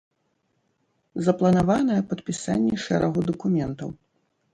Запланаванае падпісанне шэрагу дакументаў.